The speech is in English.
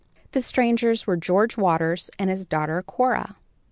The strangers were George Waters and his daughter Cora.